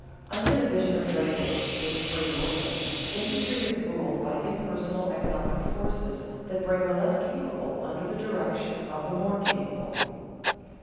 Under division of labor, with free workmen, industry is ruled by impersonal economic forces that bring the less capable under the direction of the more capable.